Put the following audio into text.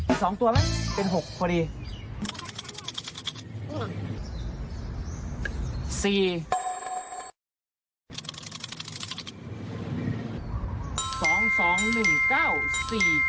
มีสองตัวไหมเป็น๖พอดี